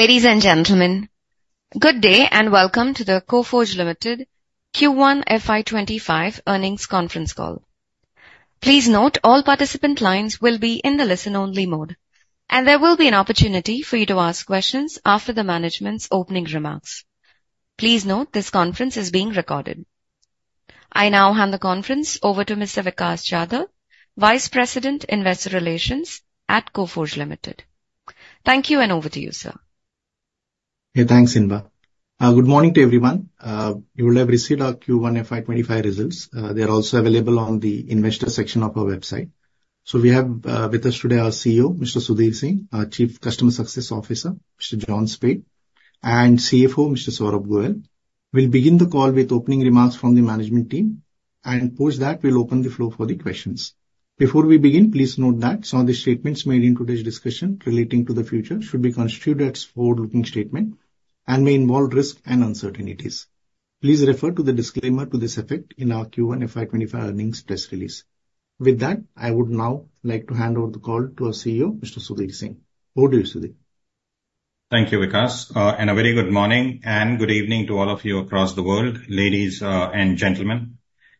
Ladies and gentlemen, good day, and welcome to the Coforge Limited Q1 FY 2025 Earnings Conference Call. Please note all participant lines will be in the listen-only mode, and there will be an opportunity for you to ask questions after the management's opening remarks. Please note this conference is being recorded. I now hand the conference over to Mr. Vikas Chadha, Vice President, Investor Relations at Coforge Limited. Thank you, and over to you, sir. Hey, thanks, Inba. Good morning to everyone. You will have received our Q1 FY 2025 results. They are also available on the investor section of our website. We have with us today our CEO, Mr. Sudhir Singh, our Chief Customer Success Officer, Mr. John Speight, and CFO, Mr. Saurabh Goel. We'll begin the call with opening remarks from the management team, and post that, we'll open the floor for the questions. Before we begin, please note that some of the statements made in today's discussion relating to the future should be constituted as forward-looking statement and may involve risks and uncertainties. Please refer to the disclaimer to this effect in our Q1 FY 2025 earnings press release. With that, I would now like to hand over the call to our CEO, Mr. Sudhir Singh. Over to you, Sudhir. Thank you, Vikas. A very good morning and good evening to all of you across the world, ladies, and gentlemen.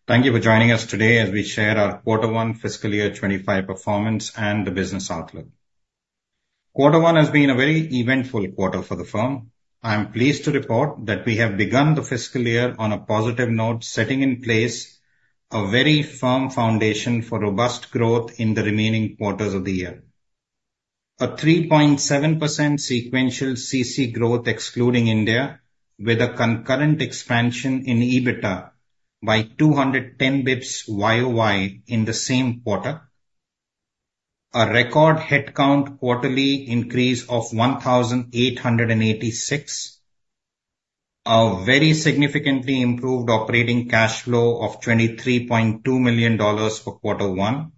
Thank you for joining us today as we share our quarter one fiscal year 2025 performance and the business outlook. Quarter one has been a very eventful quarter for the firm. I am pleased to report that we have begun the fiscal year on a positive note, setting in place a very firm foundation for robust growth in the remaining quarters of the year. A 3.7% sequential CC growth, excluding India, with a concurrent expansion in EBITDA by 210 basis points YOY in the same quarter, a record headcount quarterly increase of 1,886, a very significantly improved operating cash flow of $23.2 million for quarter one,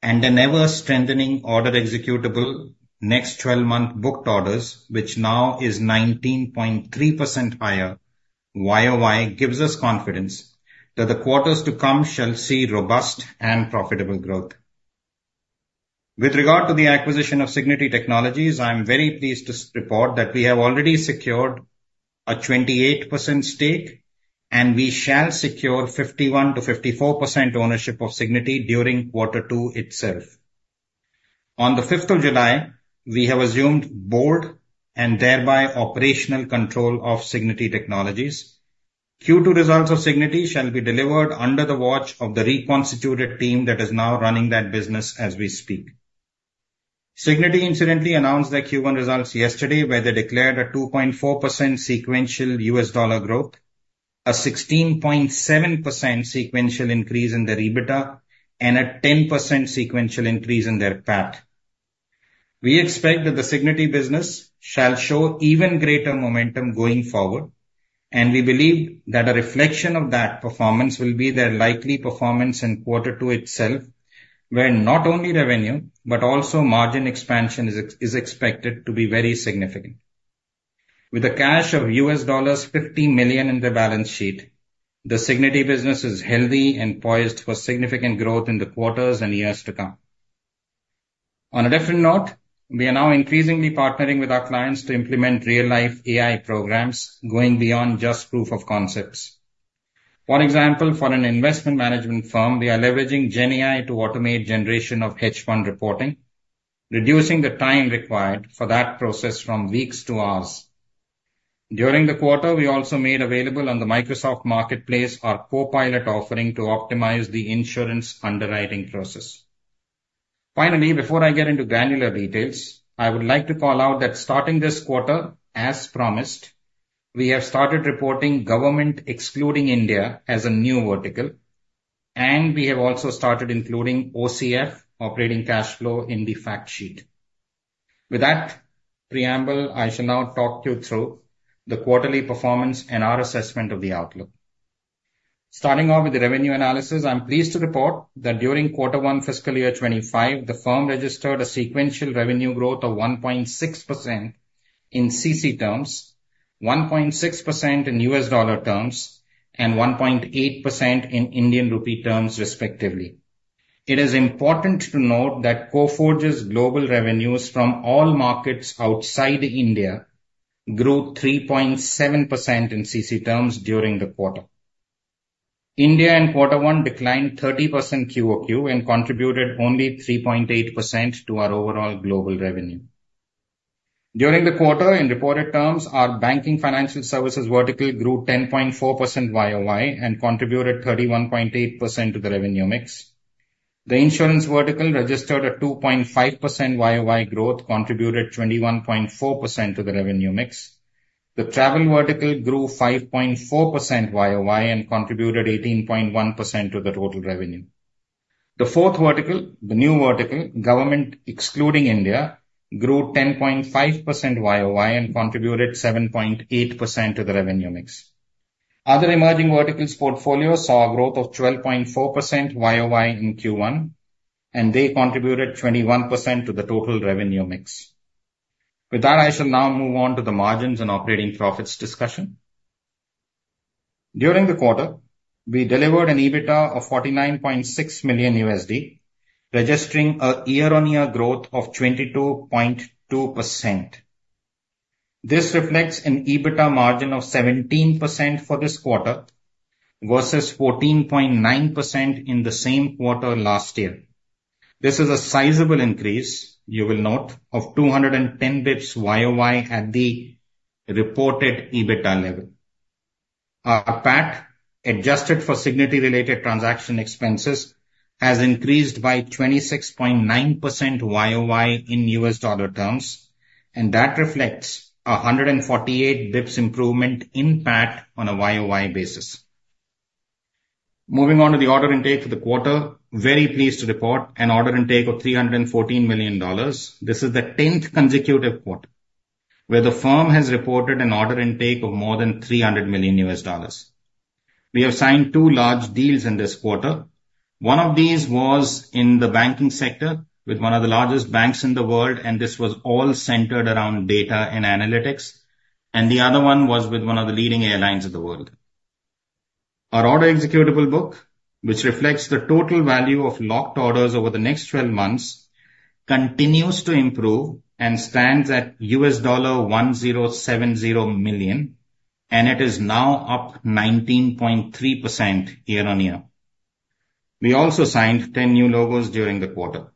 and an ever-strengthening order executable next twelve month booked orders, which now is 19.3% higher YOY, gives us confidence that the quarters to come shall see robust and profitable growth. With regard to the acquisition of Cigniti Technologies, I am very pleased to report that we have already secured a 28% stake, and we shall secure 51%-54% ownership of Cigniti during quarter two itself. On the 5th of July, we have assumed board and thereby operational control of Cigniti Technologies. Q2 results of Cigniti shall be delivered under the watch of the reconstituted team that is now running that business as we speak. Cigniti incidentally announced their Q1 results yesterday, where they declared a 2.4% sequential U.S. dollar growth, a 16.7% sequential increase in their EBITDA, and a 10% sequential increase in their PAT. We expect that the Cigniti business shall show even greater momentum going forward, and we believe that a reflection of that performance will be their likely performance in quarter two itself, where not only revenue, but also margin expansion is expected to be very significant. With a cash of $50 million in the balance sheet, the Cigniti business is healthy and poised for significant growth in the quarters and years to come. On a different note, we are now increasingly partnering with our clients to implement real-life AI programs, going beyond just proof of concepts. One example, for an investment management firm, we are leveraging GenAI to automate generation of hedge fund reporting, reducing the time required for that process from weeks to hours. During the quarter, we also made available on the Microsoft Marketplace our Copilot offering to optimize the insurance underwriting process. Finally, before I get into granular details, I would like to call out that starting this quarter, as promised, we have started reporting government excluding India as a new vertical, and we have also started including OCF, operating cash flow, in the fact sheet. With that preamble, I shall now talk you through the quarterly performance and our assessment of the outlook. Starting off with the revenue analysis, I'm pleased to report that during Q1 fiscal year 2025, the firm registered a sequential revenue growth of 1.6% in CC terms, 1.6% in U.S. dollar terms, and 1.8% in Indian rupee terms, respectively. It is important to note that Coforge's global revenues from all markets outside India grew 3.7% in CC terms during the quarter. India in Q1 declined 30% QoQ and contributed only 3.8% to our overall global revenue. During the quarter, in reported terms, our banking financial services vertical grew 10.4% YoY and contributed 31.8% to the revenue mix. The insurance vertical registered a 2.5% YoY growth, contributed 21.4% to the revenue mix. The travel vertical grew 5.4% YOY and contributed 18.1% to the total revenue. The fourth vertical, the new vertical, government excluding India, grew 10.5% YOY and contributed 7.8% to the revenue mix. Other emerging verticals portfolio saw a growth of 12.4% YOY in Q1, and they contributed 21% to the total revenue mix. With that, I shall now move on to the margins and operating profits discussion. During the quarter, we delivered an EBITDA of $49.6 million, registering a year-on-year growth of 22.2%. This reflects an EBITDA margin of 17% for this quarter, versus 14.9% in the same quarter last year. This is a sizable increase, you will note, of 210 basis points YOY at the reported EBITDA level. Our PAT, adjusted for Cigniti-related transaction expenses, has increased by 26.9% YOY in U.S. dollar terms, and that reflects a 148 BPS improvement in PAT on a YOY basis. Moving on to the order intake for the quarter, very pleased to report an order intake of $314 million. This is the 10th consecutive quarter where the firm has reported an order intake of more than $300 million. We have signed two large deals in this quarter. One of these was in the banking sector with one of the largest banks in the world, and this was all centered around data and analytics. The other one was with one of the leading airlines in the world. Our order executable book, which reflects the total value of locked orders over the next twelve months, continues to improve and stands at $1,070 million, and it is now up 19.3% year-on-year. We also signed 10 new logos during the quarter.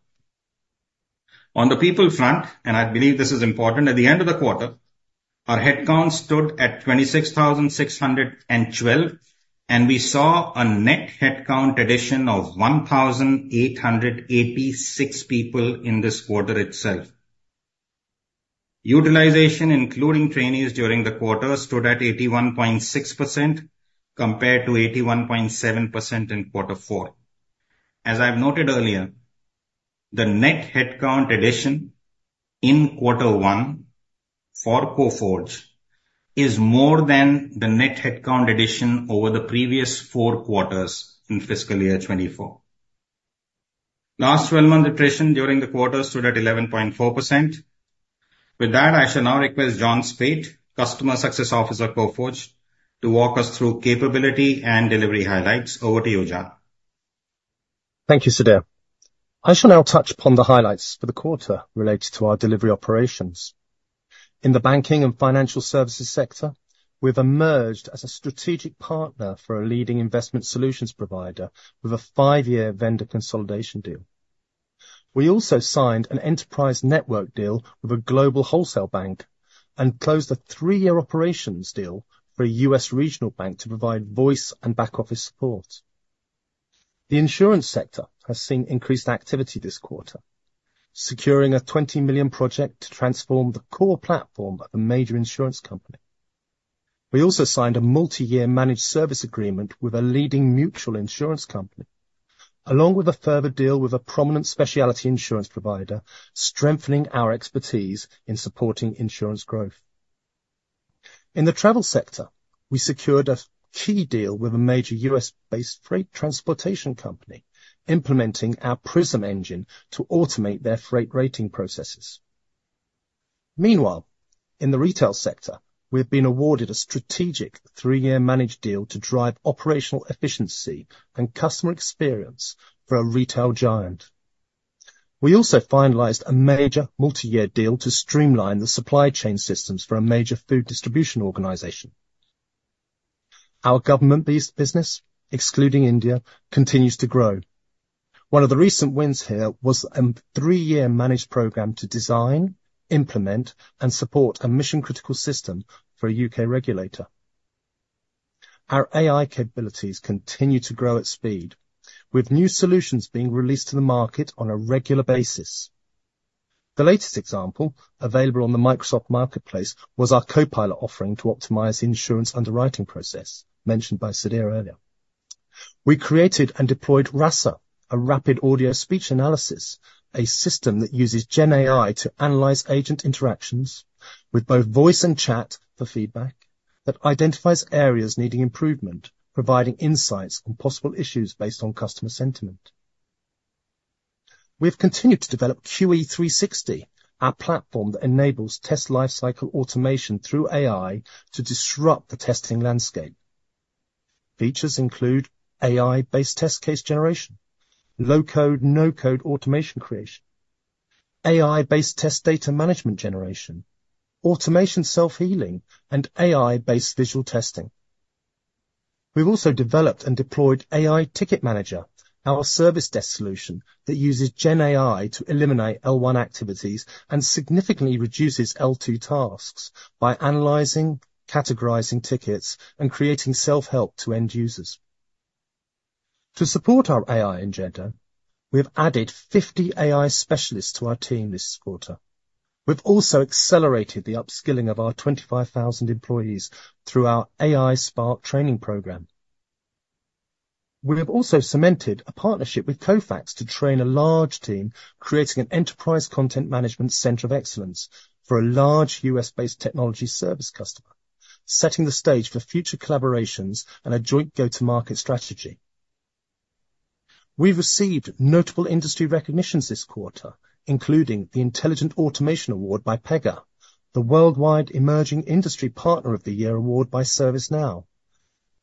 On the people front, and I believe this is important, at the end of the quarter, our headcount stood at 26,612, and we saw a net headcount addition of 1,886 people in this quarter itself. Utilization, including trainees during the quarter, stood at 81.6%, compared to 81.7% in quarter four. As I've noted earlier, the net headcount addition in quarter one for Coforge is more than the net headcount addition over the previous four quarters in fiscal year 2024. Last 12-month attrition during the quarter stood at 11.4%. With that, I shall now request John Speight, customer success officer at Coforge, to walk us through capability and delivery highlights. Over to you, John. Thank you, Sudhir. I shall now touch upon the highlights for the quarter related to our delivery operations. In the banking and financial services sector, we've emerged as a strategic partner for a leading investment solutions provider with a five-year vendor consolidation deal. We also signed an enterprise network deal with a global wholesale bank and closed a three-year operations deal for a U.S. regional bank to provide voice and back office support. The insurance sector has seen increased activity this quarter, securing a $20 million project to transform the core platform of a major insurance company. We also signed a multi-year managed service agreement with a leading mutual insurance company, along with a further deal with a prominent specialty insurance provider, strengthening our expertise in supporting insurance growth. In the travel sector, we secured a key deal with a major U.S.-based freight transportation company, implementing our Prism engine to automate their freight rating processes. Meanwhile, in the retail sector, we've been awarded a strategic three-year managed deal to drive operational efficiency and customer experience for a retail giant. We also finalized a major multi-year deal to streamline the supply chain systems for a major food distribution organization. Our government-based business, excluding India, continues to grow. One of the recent wins here was a three-year managed program to design, implement, and support a mission-critical system for a U.K. regulator. Our AI capabilities continue to grow at speed, with new solutions being released to the market on a regular basis. The latest example, available on the Microsoft Marketplace, was our copilot offering to optimize the insurance underwriting process mentioned by Sudhir earlier. We created and deployed RASA, a Rapid Audio Speech Analysis, a system that uses GenAI to analyze agent interactions with both voice and chat for feedback that identifies areas needing improvement, providing insights on possible issues based on customer sentiment. We've continued to develop QE 360, our platform that enables test lifecycle automation through AI to disrupt the testing landscape. Features include AI-based test case generation, low-code, no-code automation creation, AI-based test data management generation, automation self-healing, and AI-based visual testing. We've also developed and deployed AI Ticket Manager, our service desk solution that uses GenAI to eliminate L1 activities and significantly reduces L2 tasks by analyzing, categorizing tickets, and creating self-help to end users. To support our AI agenda, we have added 50 AI specialists to our team this quarter. We've also accelerated the upskilling of our 25,000 employees through our AI Spark training program. We have also cemented a partnership with Kofax to train a large team, creating an enterprise content management center of excellence for a large U.S.-based technology service customer, setting the stage for future collaborations and a joint go-to-market strategy. We've received notable industry recognitions this quarter, including the Intelligent Automation Award by Pega, the Worldwide Emerging Industry Partner of the Year Award by ServiceNow,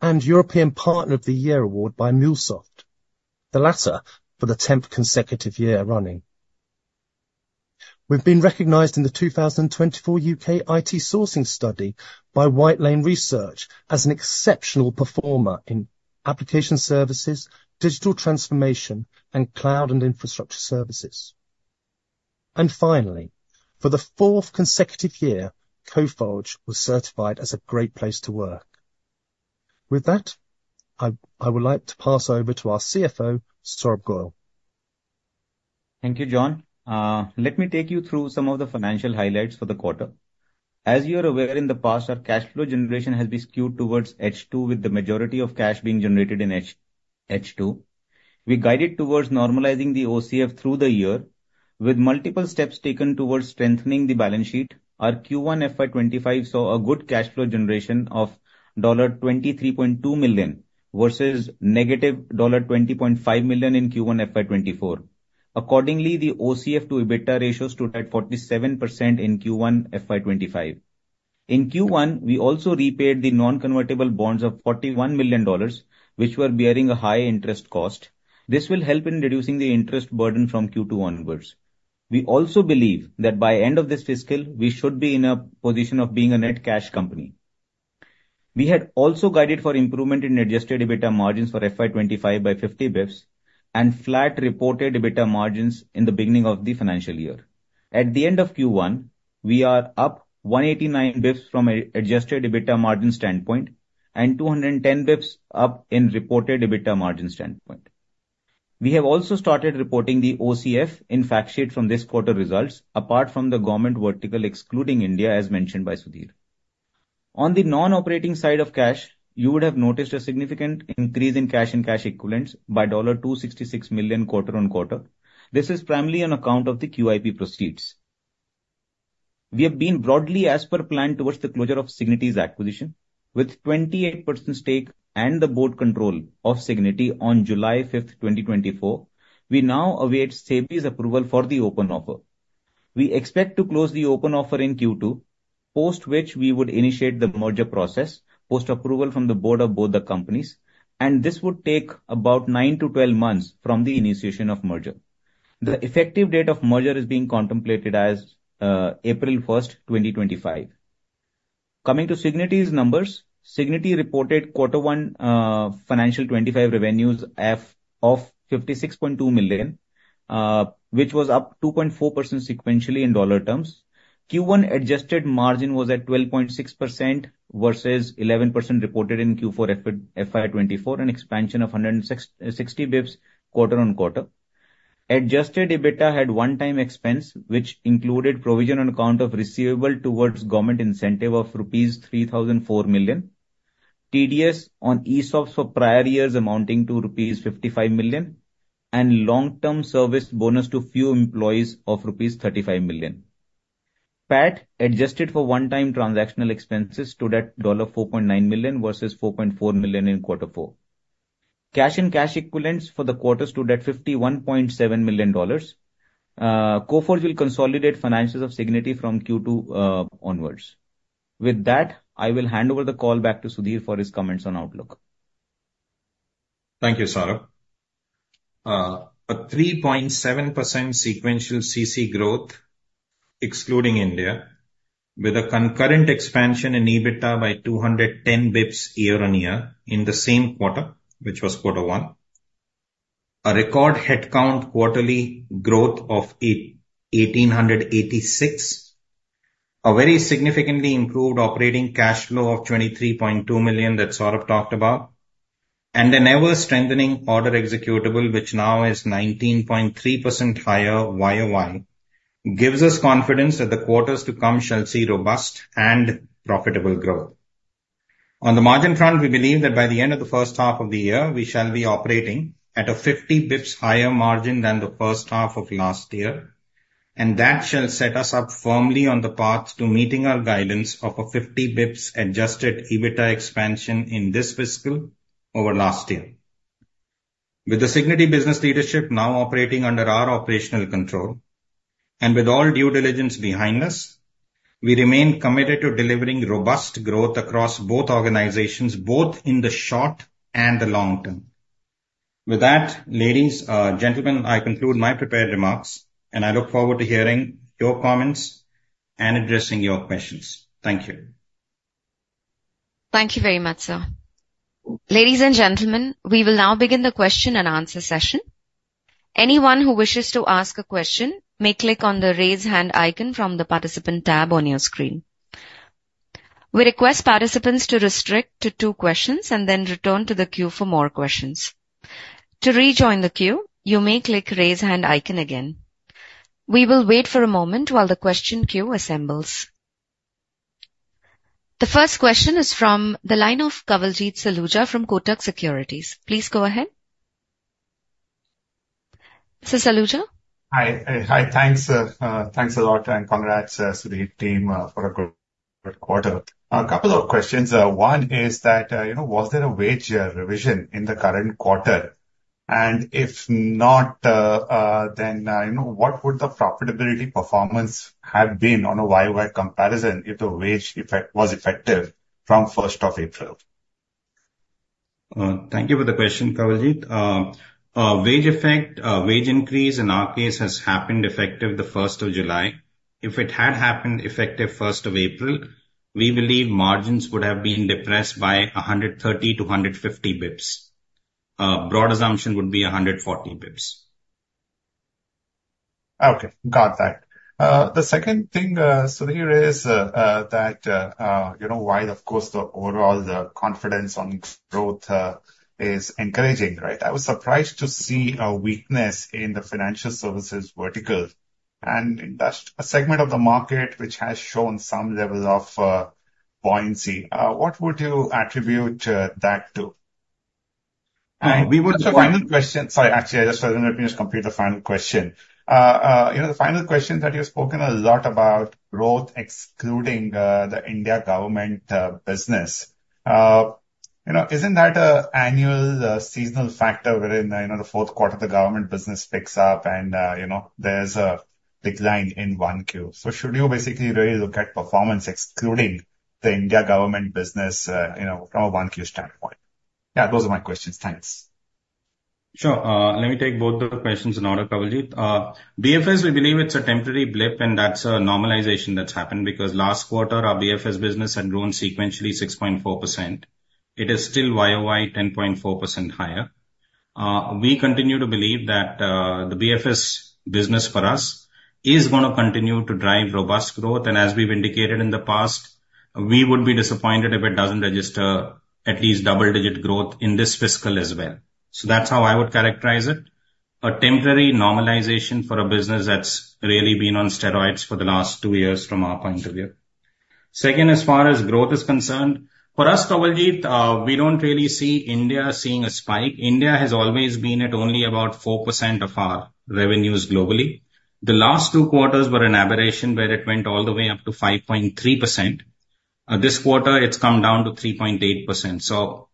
and European Partner of the Year Award by MuleSoft, the latter for the 10th consecutive year running. We've been recognized in the 2024 U.K. IT sourcing study by Whitelane Research as an exceptional performer in application services, digital transformation, and cloud and infrastructure services. And finally, for the fourth consecutive year, Coforge was certified as a great place to work. With that, I would like to pass over to our CFO, Saurabh Goel. Thank you, John. Let me take you through some of the financial highlights for the quarter. As you are aware, in the past, our cash flow generation has been skewed towards H2, with the majority of cash being generated in H2. We guided towards normalizing the OCF through the year, with multiple steps taken towards strengthening the balance sheet. Our Q1 FY 2025 saw a good cash flow generation of $23.2 million, versus negative $20.5 million in Q1 FY 2024. Accordingly, the OCF to EBITDA ratio stood at 47% in Q1 FY 2025. In Q1, we also repaid the non-convertible bonds of $41 million, which were bearing a high interest cost. This will help in reducing the interest burden from Q2 onwards. We also believe that by end of this fiscal, we should be in a position of being a net cash company. We had also guided for improvement in adjusted EBITDA margins for FY 2025 by 50 basis points and flat reported EBITDA margins in the beginning of the financial year. At the end of Q1, we are up 189 basis points from an adjusted EBITDA margin standpoint and 210 basis points up in reported EBITDA margin standpoint. We have also started reporting the OCF in fact sheet from this quarter results, apart from the government vertical, excluding India, as mentioned by Sudhir. On the non-operating side of cash, you would have noticed a significant increase in cash and cash equivalents by $266 million quarter-on-quarter. This is primarily on account of the QIP proceeds. We have been broadly as per plan towards the closure of Cigniti's acquisition, with 28% stake and the board control of Cigniti on July 5, 2024. We now await SEBI's approval for the open offer. We expect to close the open offer in Q2, post which we would initiate the merger process, post approval from the board of both the companies, and this would take about 9-12 months from the initiation of merger. The effective date of merger is being contemplated as April 1, 2025. Coming to Cigniti's numbers. Cigniti reported quarter one FY 2025 revenues of $56.2 million, which was up 2.4% sequentially in dollar terms. Q1 adjusted margin was at 12.6% versus 11% reported in Q4 FY 2024, an expansion of 160 basis points quarter-on-quarter. Adjusted EBITDA had one-time expense, which included provision on account of receivable towards government incentive of rupees 3,004 million, TDS on ESOPs for prior years amounting to rupees 55 million, and long-term service bonus to few employees of rupees 35 million. PAT, adjusted for one-time transactional expenses, stood at $4.9 million versus $4.4 million in quarter four. Cash and cash equivalents for the quarter stood at $51.7 million. Coforge will consolidate finances of Cigniti from Q2 onwards. With that, I will hand over the call back to Sudhir for his comments on outlook. Thank you, Saurabh. A 3.7% sequential CC growth, excluding India, with a concurrent expansion in EBITDA by 210 basis points year-on-year in the same quarter, which was quarter one. A record headcount quarterly growth of 1,886. A very significantly improved operating cash flow of $23.2 million that Saurabh talked about, and an ever-strengthening order executable, which now is 19.3 higher YOY, gives us confidence that the quarters to come shall see robust and profitable growth. On the margin front, we believe that by the end of the first half of the year, we shall be operating at a 50 basis points higher margin than the first half of last year, and that shall set us up firmly on the path to meeting our guidance of a 50 BPS adjusted EBITDA expansion in this fiscal over last year. With the Cigniti business leadership now operating under our operational control, and with all due diligence behind us, we remain committed to delivering robust growth across both organizations, both in the short and the long term. With that, ladies, gentlemen, I conclude my prepared remarks, and I look forward to hearing your comments and addressing your questions. Thank you. Thank you very much, sir. Ladies and gentlemen, we will now begin the question-and-answer session. Anyone who wishes to ask a question may click on the Raise Hand icon from the Participant tab on your screen. We request participants to restrict to two questions and then return to the queue for more questions. To rejoin the queue, you may click Raise Hand icon again. We will wait for a moment while the question queue assembles. The first question is from the line of Kawaljeet Saluja from Kotak Securities. Please go ahead. Mr. Saluja? Hi, hi, thanks, thanks a lot, and congrats Sudhir team for a good quarter. A couple of questions. One is that, you know, was there a wage revision in the current quarter? If not, then, you know, what would the profitability performance have been on a YOY comparison if the wage effect was effective from first of April? Thank you for the question, Kawaljeet. Wage effect, wage increase in our case has happened effective the first of July. If it had happened effective first of April, we believe margins would have been depressed by 130-150 BPS. Broad assumption would be 140 BPS. Okay, got that. The second thing, Sudhir, is that, you know, while of course, the overall, the confidence on growth, is encouraging, right? I was surprised to see a weakness in the financial services vertical, and that's a segment of the market which has shown some level of buoyancy. What would you attribute that to? We would-- The final question. Sorry, actually, I just, let me just complete the final question. You know, the final question that you've spoken a lot about growth excluding the India government business. You know, isn't that an annual seasonal factor wherein, you know, the fourth quarter the government business picks up and, you know, there's a decline in 1Q? Should you basically really look at performance excluding the India government business, you know, from a 1Q standpoint? Yeah, those are my questions. Thanks. Sure. Let me take both of the questions in order, Kawaljeet. BFS, we believe it's a temporary blip, and that's a normalization that's happened, because last quarter, our BFS business had grown sequentially 6.4%. It is still YOY 10.4% higher. We continue to believe that, the BFS business for us is gonna continue to drive robust growth. As we've indicated in the past, we would be disappointed if it doesn't register at least double-digit growth in this fiscal as well. That's how I would characterize it. A temporary normalization for a business that's really been on steroids for the last two years from our point of view. Second, as far as growth is concerned, for us, Kawaljeet, we don't really see India seeing a spike. India has always been at only about 4% of our revenues globally. The last two quarters were an aberration, where it went all the way up to 5.3%. This quarter, it's come down to 3.8%.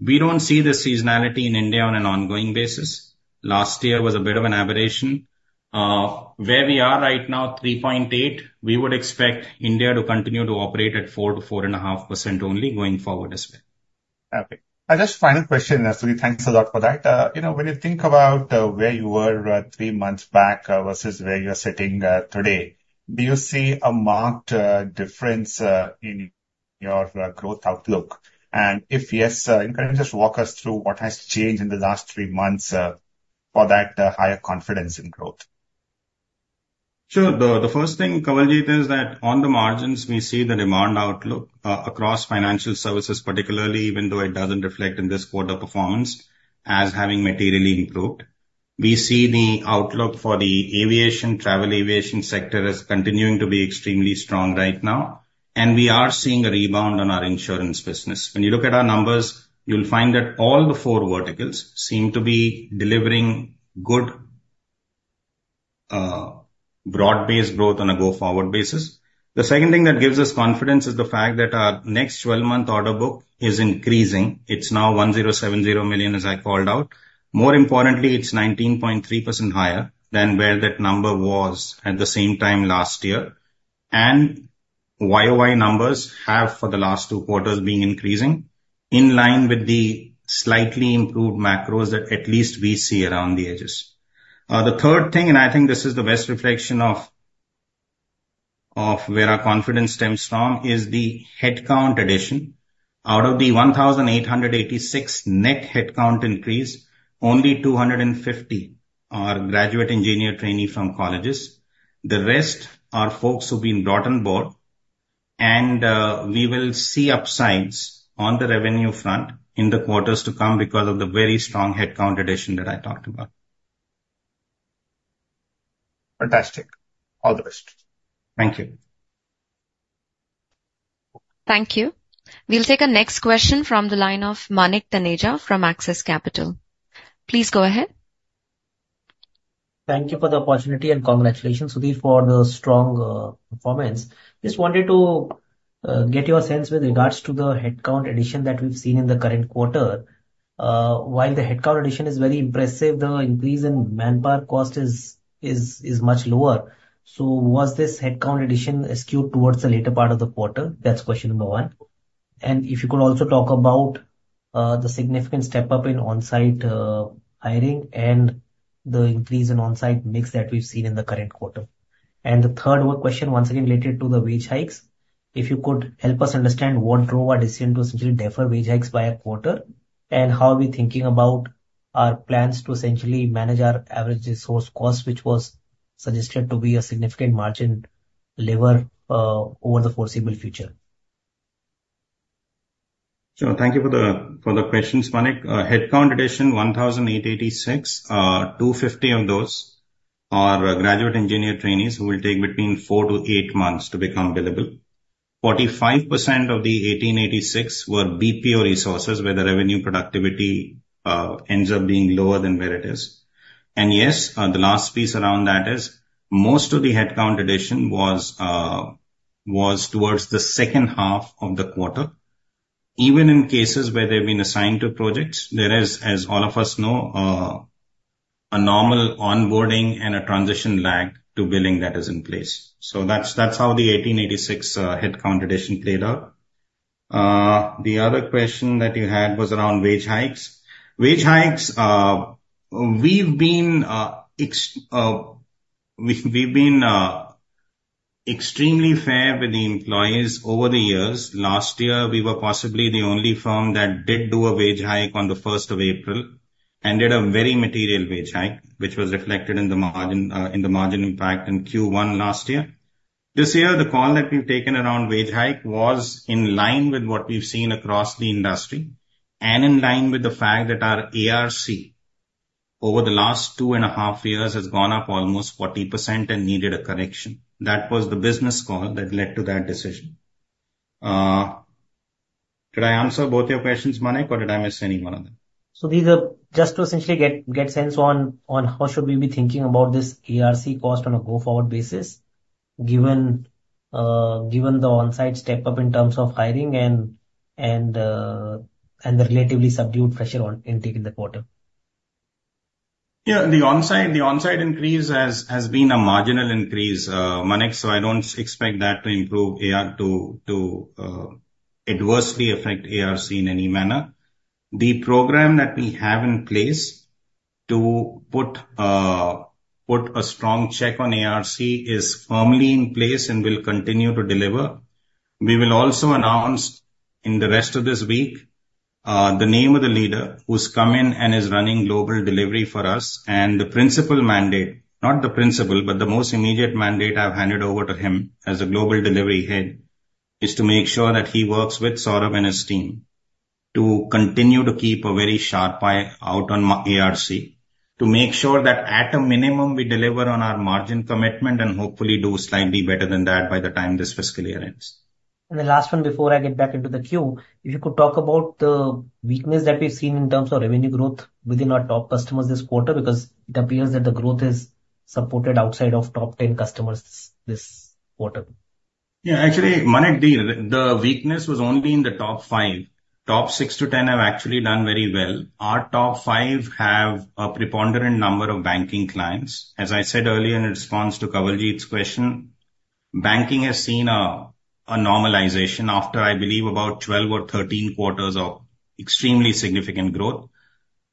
We don't see the seasonality in India on an ongoing basis. Last year was a bit of an aberration. Where we are right now, 3.8%, we would expect India to continue to operate at 4%-4.5% only going forward as well. Okay. Just final question, Sudhir, thanks a lot for that. You know, when you think about where you were three months back versus where you're sitting today, do you see a marked difference in your growth outlook? If yes, can you just walk us through what has changed in the last three months for that higher confidence in growth? Sure. The first thing, Kawaljeet, is that on the margins, we see the demand outlook across financial services, particularly, even though it doesn't reflect in this quarter performance, as having materially improved. We see the outlook for the aviation, travel aviation sector as continuing to be extremely strong right now, and we are seeing a rebound on our insurance business. When you look at our numbers, you'll find that all the four verticals seem to be delivering good broad-based growth on a go-forward basis. The second thing that gives us confidence is the fact that our next 12-month order book is increasing. It's now $1,070 million, as I called out. More importantly, it's 19.3% higher than where that number was at the same time last year. YOY numbers have, for the last two quarters, been increasing in line with the slightly improved macros that at least we see around the edges. The third thing, and I think this is the best reflection of, of where our confidence stems from, is the headcount addition. Out of the 1,086 net headcount increase, only 250 are graduate engineer trainee from colleges. The rest are folks who've been brought on board, and we will see upsides on the revenue front in the quarters to come because of the very strong headcount addition that I talked about. Fantastic. All the best. Thank you. Thank you. We'll take a next question from the line of Manik Taneja from Axis Capital. Please go ahead. Thank you for the opportunity, and congratulations, Sudhir, for the strong performance. Just wanted to get your sense with regards to the headcount addition that we've seen in the current quarter. While the headcount addition is very impressive, the increase in manpower cost is, is, is much lower. Was this headcount addition skewed towards the later part of the quarter? That's question number one. And if you could also talk about the significant step up in on-site hiring and the increase in on-site mix that we've seen in the current quarter. The third question, once again, related to the wage hikes. If you could help us understand what drove our decision to essentially defer wage hikes by a quarter, and how are we thinking about our plans to essentially manage our average resource cost, which was suggested to be a significant margin lever, over the foreseeable future? Sure. Thank you for the questions, Manik. Headcount addition 1,886. 250 of those are graduate engineer trainees who will take between 4-8 months to become available. Forty-five percent of the 1,886 were BPO resources, where the revenue productivity ends up being lower than where it is. Yes, the last piece around that is most of the headcount addition was towards the second half of the quarter. Even in cases where they've been assigned to projects, there is, as all of us know, a normal onboarding and a transition lag to billing that is in place. That's how the 1,886 headcount addition played out. The other question that you had was around wage hikes. Wage hikes, we've been extremely fair with the employees over the years. Last year, we were possibly the only firm that did do a wage hike on the first of April, and did a very material wage hike, which was reflected in the margin, in the margin impact in Q1 last year. This year, the call that we've taken around wage hike was in line with what we've seen across the industry, and in line with the fact that our ARC over the last two and a half years has gone up almost 40% and needed a correction. That was the business call that led to that decision. Did I answer both your questions, Manik, or did I miss any one of them? These are just to essentially get sense on how should we be thinking about this ARC cost on a go-forward basis, given the on-site step-up in terms of hiring and the relatively subdued pressure on intake in the quarter? Yeah, the on-site increase has been a marginal increase, Manik, so I don't expect that to improve AR to adversely affect ARC in any manner. The program that we have in place to put a strong check on ARC is firmly in place and will continue to deliver. We will also announce in the rest of this week the name of the leader who's come in and is running global delivery for us, and the principal mandate, not the principal, but the most immediate mandate I've handed over to him as a global delivery head, is to make sure that he works with Saurabh and his team to continue to keep a very sharp eye out on ARC. To make sure that at a minimum, we deliver on our margin commitment and hopefully do slightly better than that by the time this fiscal year ends. The last one, before I get back into the queue, if you could talk about the weakness that we've seen in terms of revenue growth within our top customers this quarter, because it appears that the growth is supported outside of top ten customers this quarter. Yeah. Actually, Manik, the, the weakness was only in the top five. Top six to 10 have actually done very well. Our top five have a preponderant number of banking clients. As I said earlier in response to Kawaljeet's question, banking has seen a, a normalization after, I believe, about 12 or 13 quarters of extremely significant growth.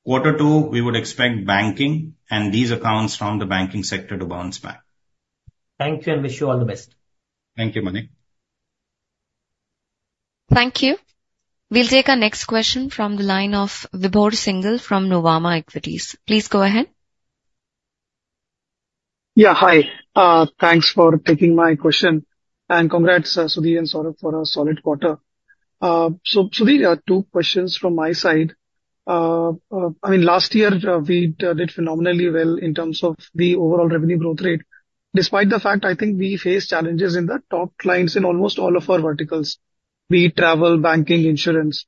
Quarter two, we would expect banking and these accounts from the banking sector to bounce back. Thank you, and wish you all the best. Thank you, Manik. Thank you. We'll take our next question from the line of Vibhor Singhal from Nuvama Equities. Please go ahead. Yeah, hi. Thanks for taking my question, and congrats, Sudhir and Saurabh, for a solid quarter. Sudhir, two questions from my side. I mean, last year, we did phenomenally well in terms of the overall revenue growth rate. Despite the fact, I think we faced challenges in the top clients in almost all of our verticals: travel, banking, insurance.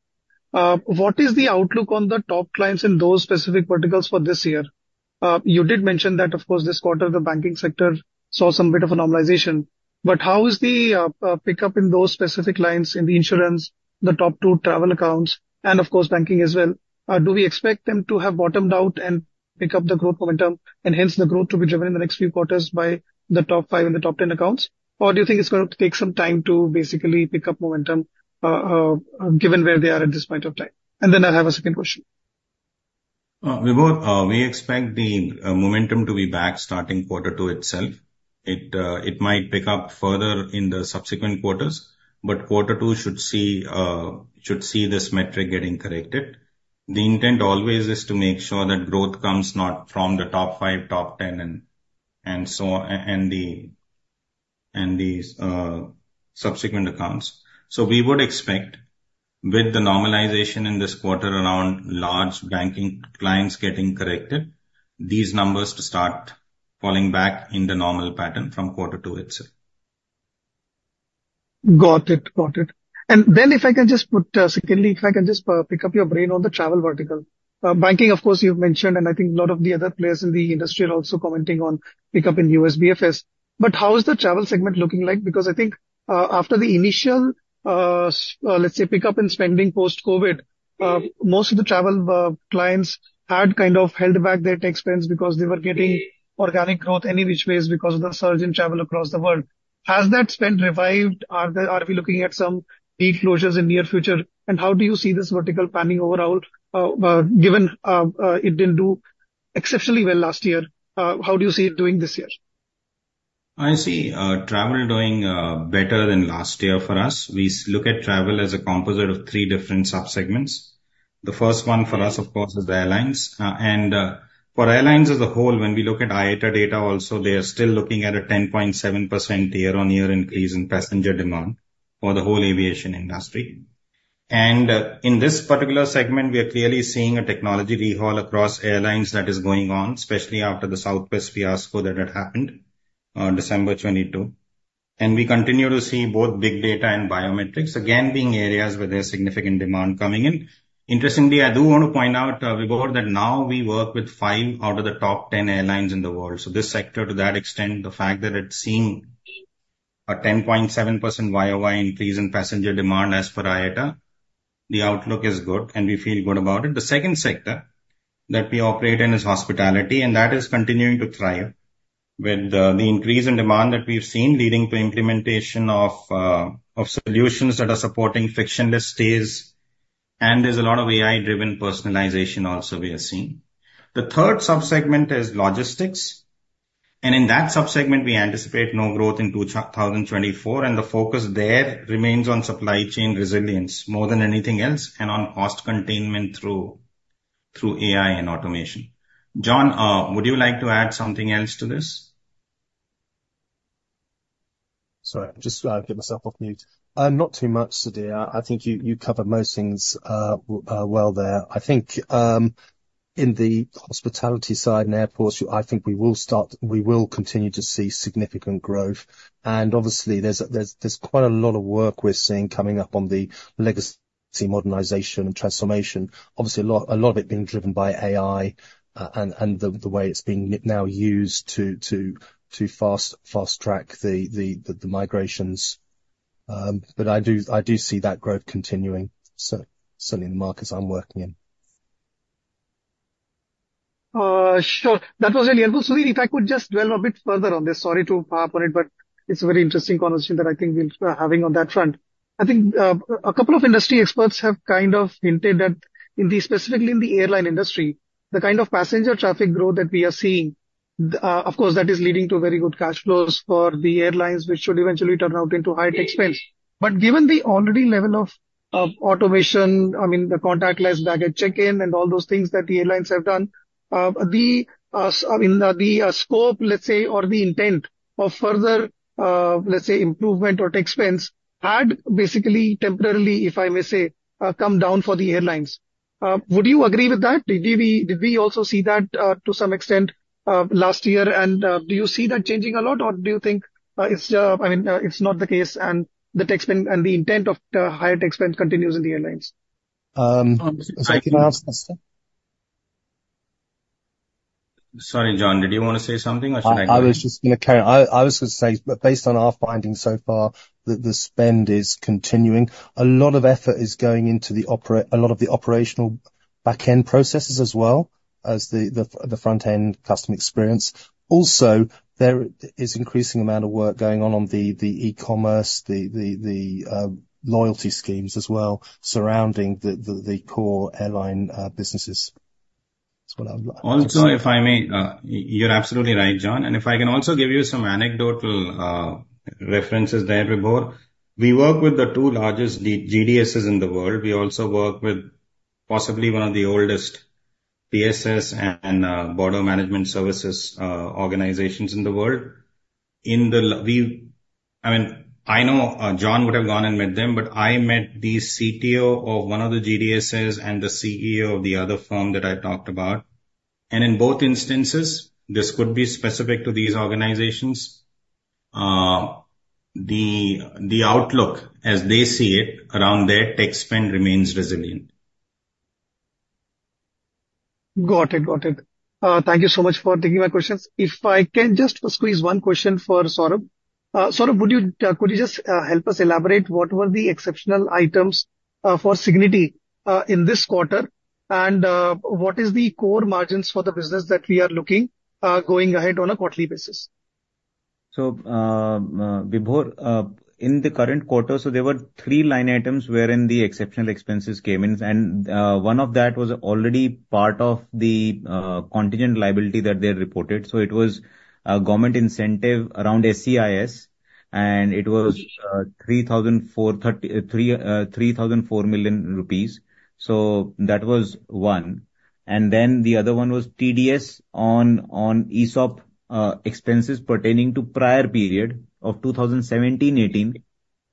What is the outlook on the top clients in those specific verticals for this year? You did mention that, of course, this quarter, the banking sector saw some bit of a normalization. But how is the pickup in those specific lines in the insurance, the top two travel accounts, and of course, banking as well? Do we expect them to have bottomed out and pick up the growth momentum, and hence the growth to be driven in the next few quarters by the top five and the top 10 accounts? Or do you think it's going to take some time to basically pick up momentum, given where they are at this point of time? Then I have a second question. Vibhor, we expect the momentum to be back starting quarter two itself. It might pick up further in the subsequent quarters, but quarter two should see this metric getting corrected. The intent always is to make sure that growth comes not from the top five, top 10, and so on, and these subsequent accounts. We would expect, with the normalization in this quarter around large banking clients getting corrected, these numbers to start falling back in the normal pattern from quarter two itself. Got it. Got it. Then if I can just put, secondly, if I can just, pick up your brain on the travel vertical. Banking, of course, you've mentioned, and I think a lot of the other players in the industry are also commenting on pickup in USBFS. But how is the travel segment looking like? Because I think, after the initial, let's say, pickup in spending post-COVID, most of the travel clients had kind of held back their expense because they were getting organic growth any which ways because of the surge in travel across the world. Has that spend revived? Are we looking at some deal closures in near future? How do you see this vertical panning overall, given it didn't do exceptionally well last year, how do you see it doing this year? I see, travel doing better than last year for us. We look at travel as a composite of three different subsegments. The first one for us, of course, is the airlines. For airlines as a whole, when we look at IATA data also, they are still looking at a 10.7% year-on-year increase in passenger demand for the whole aviation industry. In this particular segment, we are clearly seeing a technology overhaul across airlines that is going on, especially after the Southwest fiasco that had happened, December 2022. We continue to see both big data and biometrics again being areas where there's significant demand coming in. Interestingly, I do want to point out, Vibhor, that now we work with five out of the top 10 airlines in the world. This sector, to that extent, the fact that it's seeing a 10.7% YOY increase in passenger demand, as per IATA, the outlook is good, and we feel good about it. The second sector that we operate in is hospitality, and that is continuing to thrive with the increase in demand that we've seen, leading to implementation of solutions that are supporting frictionless stays, and there's a lot of AI-driven personalization also we are seeing. The third sub-segment is logistics, and in that sub-segment, we anticipate no growth in 2024, and the focus there remains on supply chain resilience more than anything else, and on cost containment through AI and automation. John, would you like to add something else to this? Sorry, I'll just get myself off mute. Not too much, Sudhir. I think you covered most things, well there. I think in the hospitality side and airports, we will continue to see significant growth. And obviously, there's quite a lot of work we're seeing coming up on the legacy modernization and transformation. Obviously, a lot of it being driven by AI, and the way it's being now used to fast-track the migrations. But I do see that growth continuing, certainly in the markets I'm working in. Sure. That was really helpful. Sudhir, if I could just dwell a bit further on this. Sorry to harp on it, but it's a very interesting conversation that I think we're having on that front. I think a couple of industry experts have kind of hinted that in the specifically in the airline industry, the kind of passenger traffic growth that we are seeing, of course, that is leading to very good cash flows for the airlines, which should eventually turn out into high tech spend. But given the already level of, of automation, I mean, the contactless baggage check-in and all those things that the airlines have done, the, I mean, the scope, let's say, or the intent of further, let's say, improvement or tech spend, had basically temporarily, if I may say, come down for the airlines. Would you agree with that? Did we, did we also see that, to some extent, last year? Do you see that changing a lot, or do you think, it's, I mean, it's not the case and the tech spend and the intent of the higher tech spend continues in the airlines? Sorry, John, did you want to say something, or should I go ahead? I was just gonna carry on. I was gonna say, based on our findings so far, the spend is continuing. A lot of effort is going into a lot of the operational back-end processes, as well as the front-end customer experience. Also, there is increasing amount of work going on the e-commerce, the loyalty schemes as well, surrounding the core airline businesses. That's what I would like to say. Also, if I may, you're absolutely right, John. If I can also give you some anecdotal references there, Vibhor. We work with the two largest GDSs in the world. We also work with possibly one of the oldest PSS and border management services organizations in the world. I mean, I know John would have gone and met them, but I met the CTO of one of the GDSs and the CEO of the other firm that I talked about. In both instances, this could be specific to these organizations, the outlook, as they see it, around their tech spend remains resilient. Got it. Got it. Thank you so much for taking my questions. If I can just squeeze one question for Saurabh. Saurabh, would you, could you just, help us elaborate, what were the exceptional items, for Cigniti, in this quarter? What is the core margins for the business that we are looking, going ahead on a quarterly basis? Vibhor, in the current quarter, so there were three line items wherein the exceptional expenses came in, and one of that was already part of the contingent liability that they reported. It was a government incentive around SEIS, and it was 3,433 million rupees. That was one. Then the other one was TDS on ESOP expenses pertaining to prior period of 2017, 2018,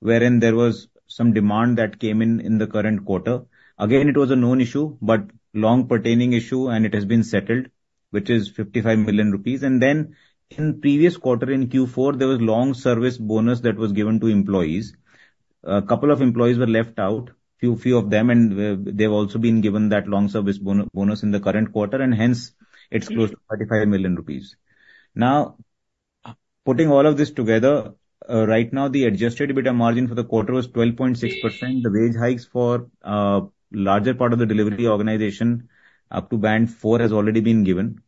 wherein there was some demand that came in, in the current quarter. Again, it was a known issue, but long-pending issue, and it has been settled, which is 55 million rupees. Then in previous quarter, in Q4, there was long service bonus that was given to employees. A couple of employees were left out, few, few of them, and they've also been given that long service bonus in the current quarter, and hence it's close to 35 million rupees. Now, putting all of this together, right now, the adjusted EBITDA margin for the quarter was 12.6%. The wage hikes for larger part of the delivery organization, up to band four, has already been given.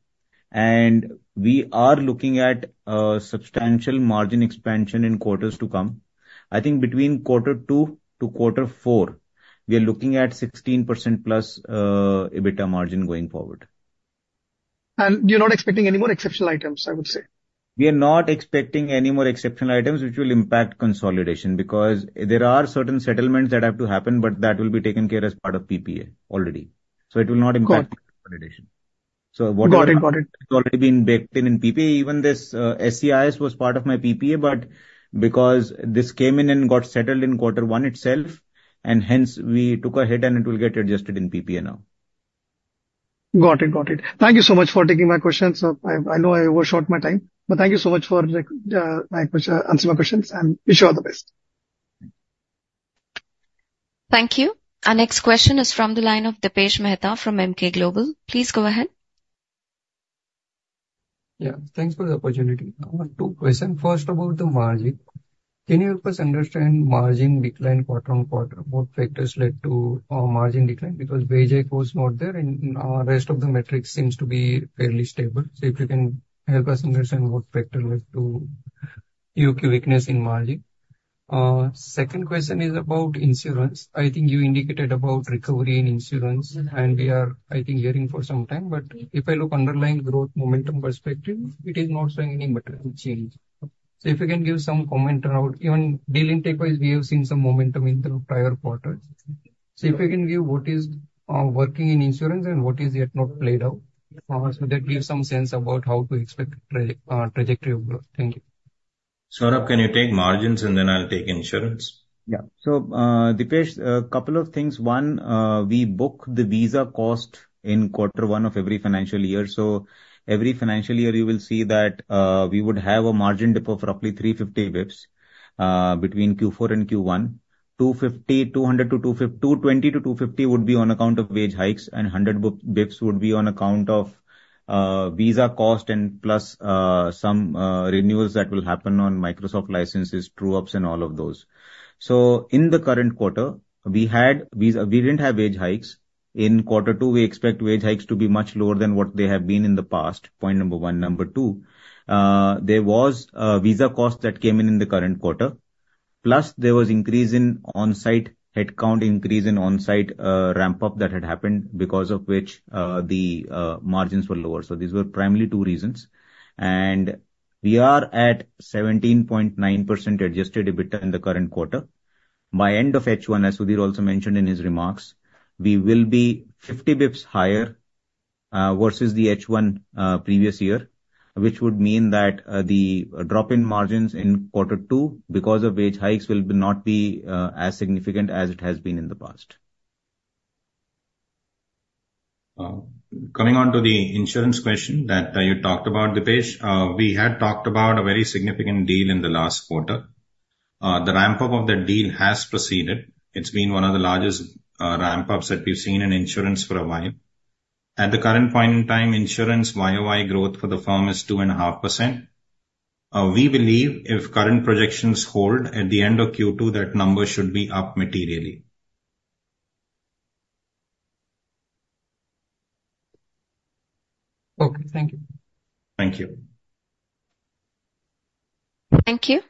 We are looking at a substantial margin expansion in quarters to come. I think between quarter two to quarter four, we are looking at 16%+ EBITDA margin going forward. You're not expecting any more exceptional items, I would say? We are not expecting any more exceptional items which will impact consolidation, because there are certain settlements that have to happen, but that will be taken care as part of PPA already. It will not impact- Got it. -consolidation. What is important has already been baked in PPA. Even this, SEIS was part of my PPA, but because this came in and got settled in quarter one itself, and hence we took a hit and it will get adjusted in PPA now. Got it. Got it. Thank you so much for taking my questions. I know I overshot my time, but thank you so much for answering my questions, and wish you all the best. Thank you. Our next question is from the line of Dipesh Mehta from Emkay Global. Please go ahead. Yeah, thanks for the opportunity. I have two question. First, about the margin. Can you help us understand margin decline quarter on quarter? What factors led to margin decline? Because BPO was not there, and rest of the metrics seems to be fairly stable. If you can help us understand what factor led to QQ weakness in margin. Second question is about insurance. I think you indicated about recovery in insurance, and we are, I think, hearing for some time. But if I look underlying growth momentum perspective, it is not showing any material change. If you can give some comment around. Even deal intake-wise, we have seen some momentum in the prior quarters. If you can give what is working in insurance and what is yet not played out, so that gives some sense about how to expect trajectory of growth. Thank you. Saurabh, can you take margins and then I'll take insurance? Yeah. Dipesh, a couple of things. One, we book the visa cost in quarter one of every financial year. Every financial year, you will see that, we would have a margin dip of roughly 350 basis points, between Q4 and Q1. 250, 200 to 220 to 250 would be on account of wage hikes, and 100 basis points would be on account of, visa cost and plus, some, renewals that will happen on Microsoft licenses, true ups, and all of those. In the current quarter, we had visa—we didn't have wage hikes. In quarter two, we expect wage hikes to be much lower than what they have been in the past. Point number one. Number two, there was a visa cost that came in, in the current quarter, plus there was increase in on-site headcount, increase in on-site, ramp-up that had happened, because of which, margins were lower. These were primarily two reasons, and we are at 17.9% adjusted EBITDA in the current quarter. By end of H1, as Sudhir also mentioned in his remarks, we will be 50 basis points higher, versus the H1, previous year, which would mean that, the drop-in margins in quarter two, because of wage hikes, will not be, as significant as it has been in the past. Coming on to the insurance question that you talked about, Dipesh, we had talked about a very significant deal in the last quarter. The ramp-up of that deal has proceeded. It's been one of the largest ramp-ups that we've seen in insurance for a while. At the current point in time, insurance YOY growth for the firm is 2.5%. We believe if current projections hold at the end of Q2, that number should be up materially. Okay. Thank you. Thank you. Thank you.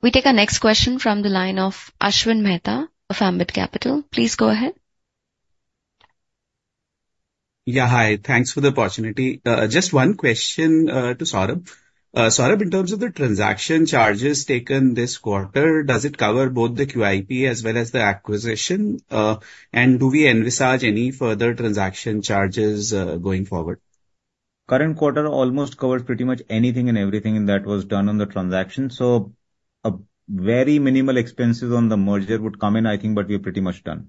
We take our next question from the line of Ashwin Mehta of Ambit Capital. Please go ahead. Yeah, hi. Thanks for the opportunity. Just one question to Saurabh. Saurabh, in terms of the transaction charges taken this quarter, does it cover both the QIP as well as the acquisition? And do we envisage any further transaction charges going forward? Current quarter almost covers pretty much anything and everything, and that was done on the transaction. A very minimal expenses on the merger would come in, I think, but we are pretty much done.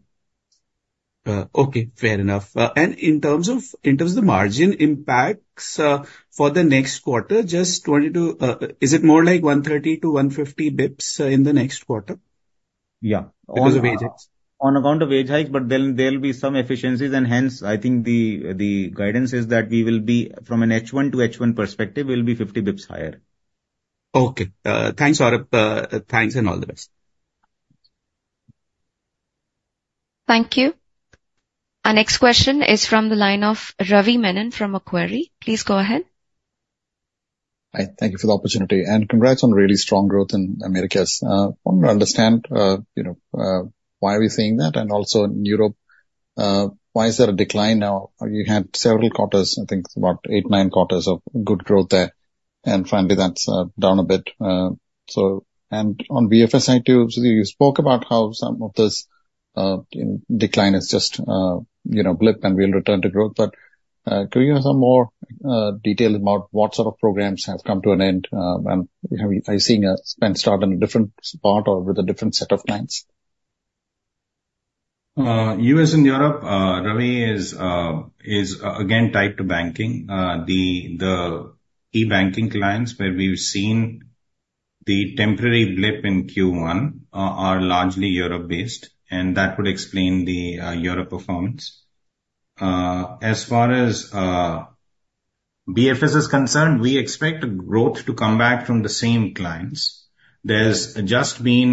Okay, fair enough. In terms of, in terms of the margin impacts, for the next quarter, just 20 to. Is it more like 130-150 BPS in the next quarter? Yeah, because of wage hikes. On account of wage hikes, but then there'll be some efficiencies, and hence, I think the guidance is that we will be, from an H1 to H1 perspective, we'll be 50 BPS higher. Okay. Thanks, Saurabh. Thanks, and all the best. Thank you. Our next question is from the line of Ravi Menon from Macquarie. Please go ahead. Hi, thank you for the opportunity, and congrats on really strong growth in Americas. Want to understand, you know, why are we seeing that? Also in Europe, why is there a decline now? You had several quarters, I think about eight, nine quarters of good growth there, and finally, that's down a bit. On BFS side, too, Sudhir, you spoke about how some of this decline is just you know blip and will return to growth. But could you give some more detail about what sort of programs have come to an end? Have you—are you seeing a spend start in a different spot or with a different set of clients? U.S. and Europe, Ravi, is again tied to banking. The e-banking clients where we've seen the temporary blip in Q1 are largely Europe-based, and that would explain the Europe performance. As far as BFS is concerned, we expect growth to come back from the same clients. There's just been,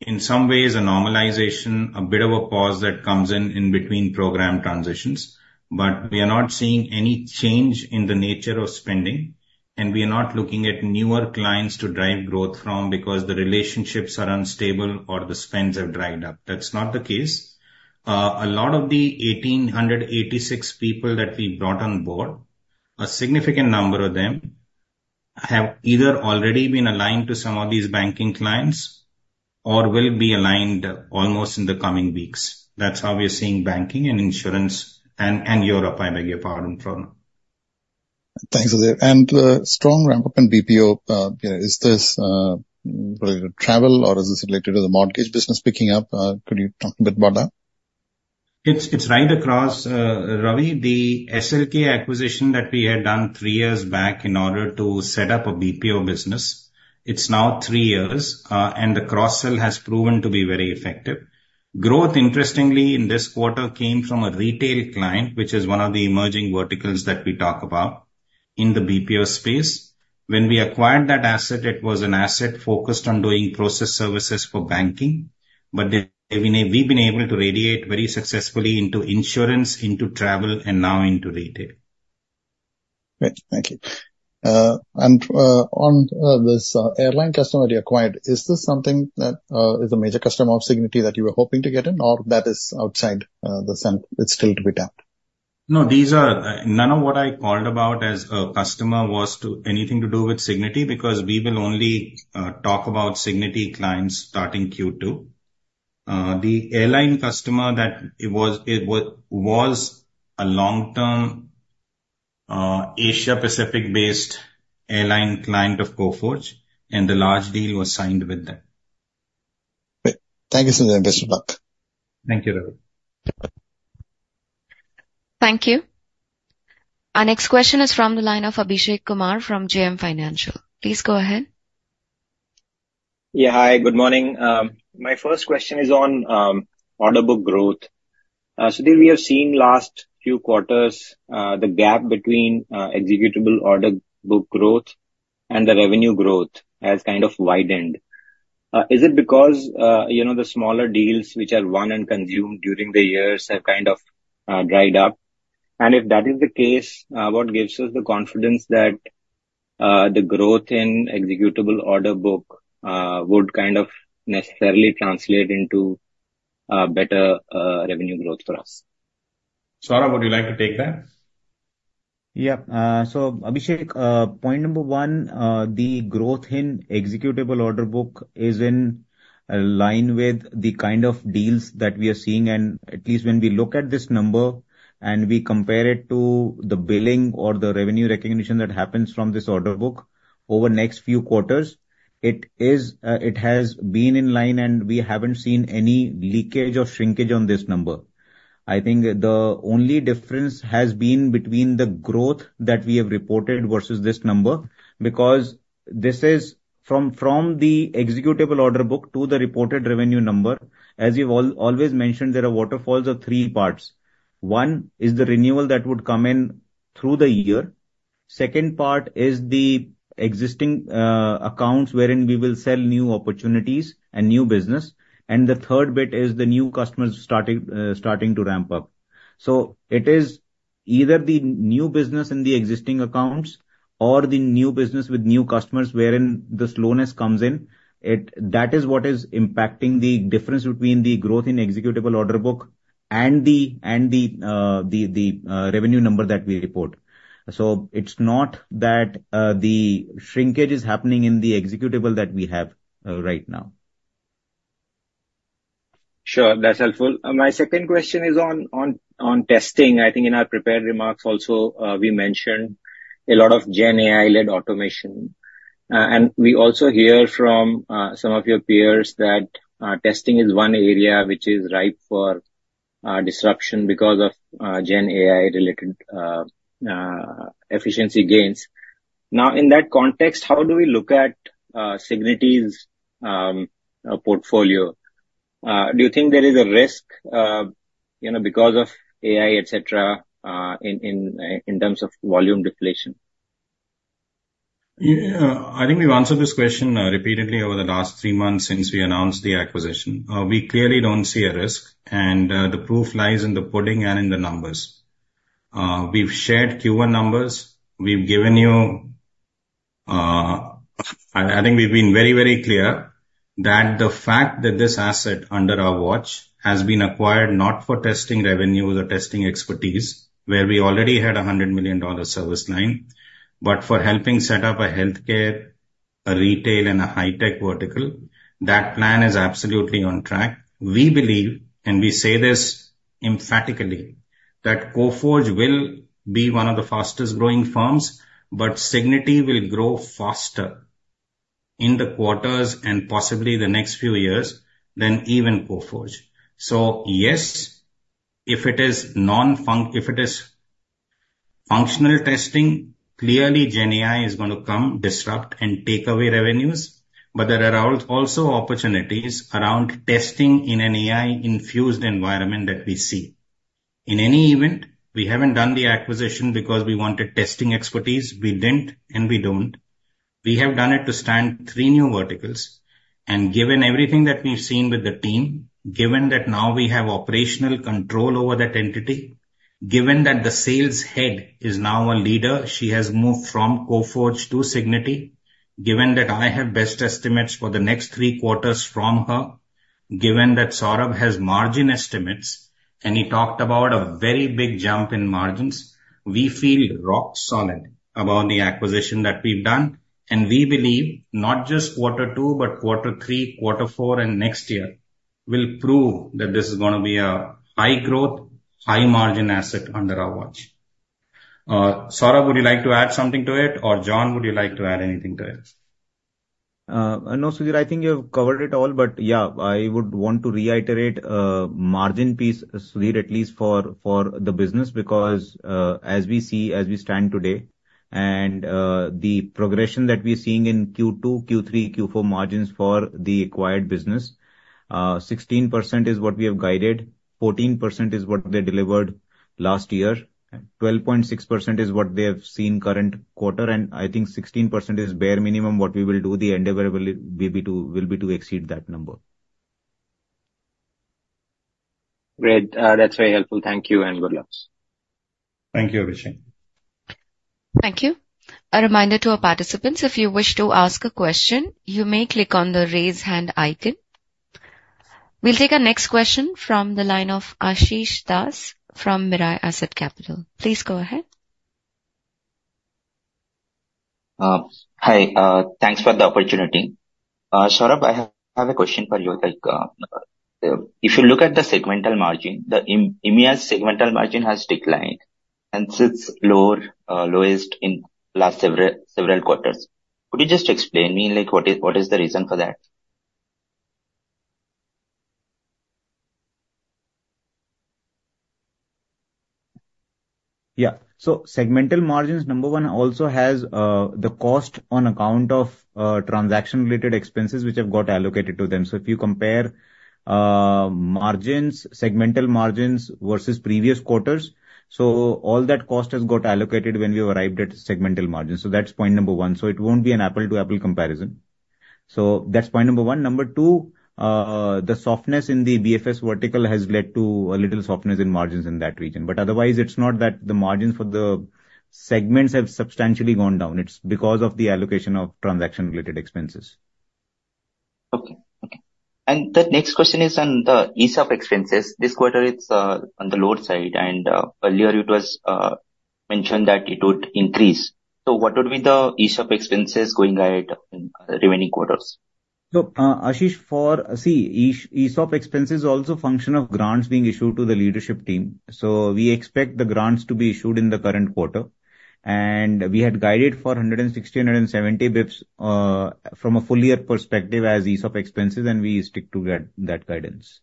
in some ways, a normalization, a bit of a pause that comes in, in between program transitions. But we are not seeing any change in the nature of spending, and we are not looking at newer clients to drive growth from because the relationships are unstable or the spends have dried up. That's not the case. A lot of the 1,886 people that we brought on board, a significant number of them. I have either already been aligned to some of these banking clients or will be aligned almost in the coming weeks. That's how we are seeing banking and insurance and Europe, [by the way, apart from India]. Thanks, Sudhir. Strong ramp-up in BPO, is this related to travel or is this related to the mortgage business picking up? Could you talk a bit about that? It's, it's right across, Ravi. The SLK acquisition that we had done three years back in order to set up a BPO business, it's now three years, and the cross-sell has proven to be very effective. Growth, interestingly, in this quarter, came from a retail client, which is one of the emerging verticals that we talk about in the BPO space. When we acquired that asset, it was an asset focused on doing process services for banking, but then we've, we've been able to radiate very successfully into insurance, into travel, and now into retail. Great. Thank you. And on this airline customer you acquired, is this something that is a major customer of Cigniti that you were hoping to get in, or that is outside the sense, it's still to be tapped? No, these are none of what I called about as a customer was to anything to do with Cigniti, because we will only talk about Cigniti clients starting Q2. The airline customer that it was, it was a long-term Asia-Pacific-based airline client of Coforge, and a large deal was signed with them. Great. Thank you, Sudhir. Best of luck. Thank you, Ravi. Thank you. Our next question is from the line of Abhishek Kumar from JM Financial. Please go ahead. Yeah, hi, good morning. My first question is on order book growth. Sudhir, we have seen last few quarters the gap between executable order book growth and the revenue growth has kind of widened. Is it because you know the smaller deals which are won and consumed during the years have kind of dried up? If that is the case what gives us the confidence that the growth in executable order book would kind of necessarily translate into better revenue growth for us? Saurabh, would you like to take that? Yeah. Abhishek, point number one, the growth in executable order book is in line with the kind of deals that we are seeing, and at least when we look at this number and we compare it to the billing or the revenue recognition that happens from this order book over the next few quarters, it is. It has been in line, and we haven't seen any leakage or shrinkage on this number. I think the only difference has been between the growth that we have reported versus this number, because this is from the executable order book to the reported revenue number. As you've always mentioned, there are waterfalls of three parts. One is the renewal that would come in through the year. Second part is the existing accounts wherein we will sell new opportunities and new business. The third bit is the new customers starting to ramp up. It is either the new business in the existing accounts or the new business with new customers, wherein the slowness comes in. That is what is impacting the difference between the growth in executable order book and the revenue number that we report. It's not that the shrinkage is happening in the executable that we have right now. Sure, that's helpful. My second question is on testing. I think in our prepared remarks also, we mentioned a lot of GenAI-led automation. We also hear from some of your peers that testing is one area which is ripe for disruption because of GenAI-related efficiency gains. Now, in that context, how do we look at Cigniti's portfolio? Do you think there is a risk, you know, because of AI, et cetera, in terms of volume deflation? Yeah, I think we've answered this question repeatedly over the last three months since we announced the acquisition. We clearly don't see a risk, and the proof lies in the pudding and in the numbers. We've shared Q1 numbers. We've given you. I think we've been very, very clear that the fact that this asset under our watch has been acquired not for testing revenue or testing expertise, where we already had a $100 million service line, but for helping set up a healthcare, a retail, and a high-tech vertical. That plan is absolutely on track. We believe, and we say this emphatically, that Coforge will be one of the fastest growing firms, but Cigniti will grow faster in the quarters and possibly the next few years than even Coforge. Yes, if it is functional testing, clearly GenAI is going to come, disrupt, and take away revenues, but there are also opportunities around testing in an AI-infused environment that we see. In any event, we haven't done the acquisition because we wanted testing expertise. We didn't, and we don't. We have done it to add three new verticals, and given everything that we've seen with the team, given that now we have operational control over that entity, given that the sales head is now a leader, she has moved from Coforge to Cigniti, given that I have best estimates for the next three quarters from her, given that Saurabh has margin estimates, and he talked about a very big jump in margins, we feel rock solid about the acquisition that we've done. We believe not just quarter two, but quarter three, quarter four, and next year will prove that this is gonna be a high growth, high margin asset under our watch. Saurabh, would you like to add something to it, or John, would you like to add anything to it? No, Sudhir, I think you have covered it all, but yeah, I would want to reiterate, margin piece, Sudhir, at least for, for the business. Because, as we see, as we stand today, and, the progression that we're seeing in Q2, Q3, Q4 margins for the acquired business, 16% is what we have guided, 14% is what they delivered last year, and 12.6% is what they have seen current quarter. And I think 16% is bare minimum what we will do, the endeavor will be to, will be to exceed that number. Great. That's very helpful. Thank you and good luck. Thank you, Abhishek. Thank you. A reminder to our participants, if you wish to ask a question, you may click on the Raise Hand icon. We'll take our next question from the line of Asis Das from Mirae Asset Capital. Please go ahead. Hi. Thanks for the opportunity. Saurabh, I have a question for you. Like, if you look at the segmental margin, the EMEA segmental margin has declined and sits lower, lowest in last several, several quarters. Could you just explain me, like, what is, what is the reason for that? Yeah. Segmental margins, number one, also has the cost on account of transaction-related expenses which have got allocated to them. If you compare margins, segmental margins versus previous quarters, so all that cost has got allocated when we arrived at segmental margins. That's point number one. It won't be an apple-to-apple comparison. That's point number one. Number two, the softness in the BFS vertical has led to a little softness in margins in that region. But otherwise, it's not that the margins for the segments have substantially gone down. It's because of the allocation of transaction-related expenses. Okay. Okay. And the next question is on the ESOP expenses. This quarter, it's on the lower side, and earlier it was mentioned that it would increase. What would be the ESOP expenses going ahead in the remaining quarters? Asis, see, ESOP expense is also a function of grants being issued to the leadership team. We expect the grants to be issued in the current quarter. We had guided for 160-170 BPS from a full year perspective as ESOP expenses, and we stick to that, that guidance.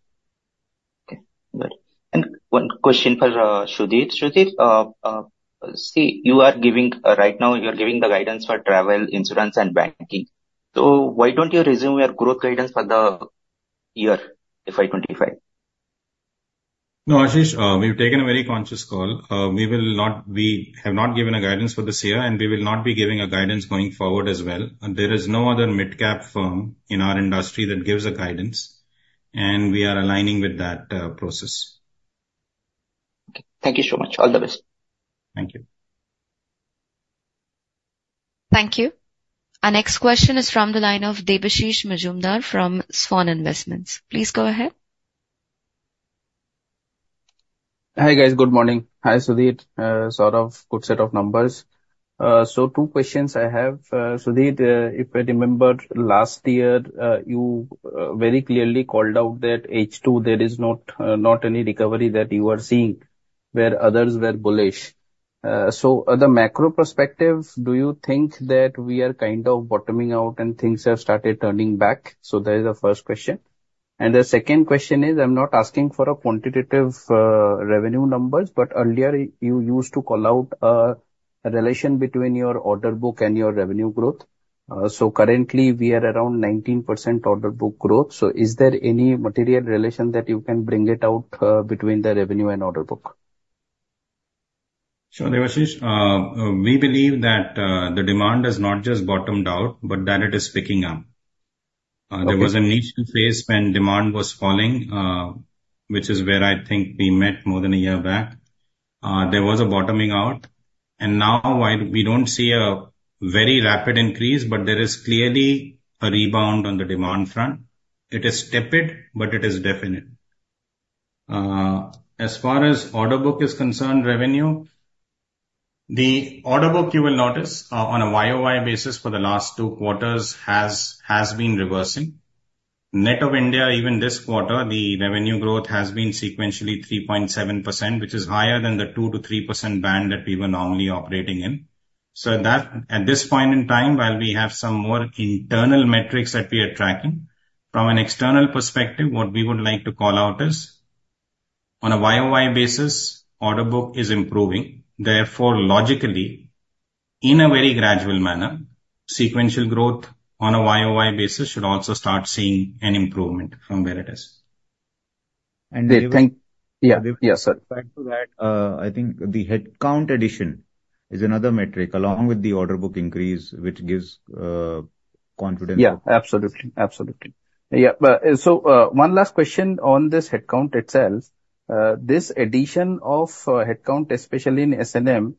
Okay, got it. One question for Sudhir. Sudhir, see, you are giving right now you are giving the guidance for travel, insurance, and banking. Why don't you resume your growth guidance for the year, FY 2025? No, Asis, we've taken a very conscious call. We will not. We have not given a guidance for this year, and we will not be giving a guidance going forward as well. There is no other midcap firm in our industry that gives a guidance, and we are aligning with that process. Okay. Thank you so much. All the best. Thank you. Thank you. Our next question is from the line of Debashish Mazumdar from Svan Investments. Please go ahead. Hi, guys. Good morning. Hi, Sudhir, Saurabh. Good set of numbers. Two questions I have. Sudhir, if I remember last year, you very clearly called out that H2, there is not any recovery that you are seeing, where others were bullish. On the macro perspective, do you think that we are kind of bottoming out and things have started turning back? That is the first question. And the second question is, I'm not asking for a quantitative revenue numbers, but earlier you used to call out a relation between your order book and your revenue growth. Currently, we are around 19% order book growth. Is there any material relation that you can bring it out between the revenue and order book? Sure, Debashish. We believe that the demand has not just bottomed out, but that it is picking up. Okay. There was a niche phase when demand was falling, which is where I think we met more than a year back. There was a bottoming out, and now while we don't see a very rapid increase, but there is clearly a rebound on the demand front. It is tepid, but it is definite. As far as order book is concerned, revenue, the order book, you will notice, on a YOY basis for the last two quarters has been reversing. Net of India, even this quarter, the revenue growth has been sequentially 3.7%, which is higher than the 2%-3% band that we were normally operating in. That, at this point in time, while we have some more internal metrics that we are tracking, from an external perspective, what we would like to call out is, on a YOY basis, order book is improving. Therefore, logically, in a very gradual manner, sequential growth on a YOY basis should also start seeing an improvement from where it is. They think-- Yeah. Yeah, sir. Back to that, I think the headcount addition is another metric, along with the order book increase, which gives confidence. Yeah, absolutely. Absolutely. Yeah. But, so, one last question on this headcount itself. This addition of headcount, especially in S&M.